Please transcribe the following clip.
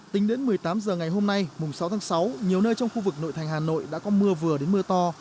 tính đến một mươi tám h ngày hôm nay mùng sáu tháng sáu nhiều nơi trong khu vực nội thành hà nội đã có mưa vừa đến mưa to